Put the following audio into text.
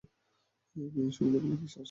মেয়ে সুখ না পেলে কী আসে যায়?